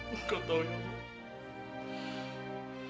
engkau tau ya allah